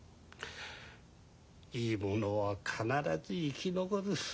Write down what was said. いいものは必ず生き残る。